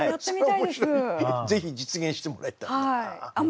ぜひ実現してもらいたいなあ。